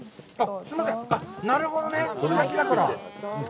すいません、なるほどね。